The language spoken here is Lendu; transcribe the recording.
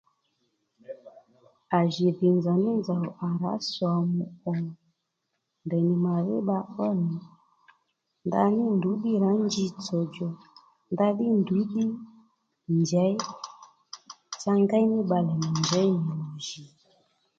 À jì dhì nzòw ní nzòw à rǎ sòmù ò ndèy nì màdhí bba ó nì ndaní ndrǔ ddí rǎ njitsò djò ndaní ndrǔ ddí njěy cha ngéy ní bbalè nì njěy nì njí